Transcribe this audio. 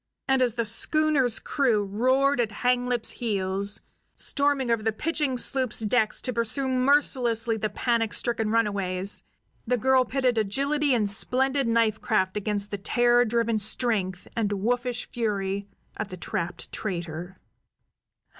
And as the schooner's crew roared at Hanglip's heels, storming over to the pitching sloop's decks to pursue mercilessly the panic stricken runaways, the girl pitted agility and splendid knife craft against the terror driven strength and wolfish fury of the trapped traitor.